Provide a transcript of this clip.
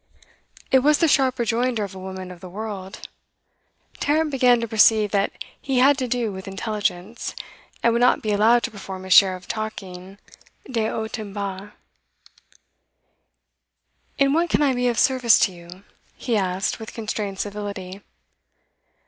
It was the sharp rejoinder of a woman of the world. Tarrant began to perceive that he had to do with intelligence, and would not be allowed to perform his share of the talking de haut en bas. 'In what can I be of service to you?' he asked with constrained civility.